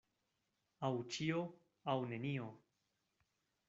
Aŭ ĉio, aŭ nenio.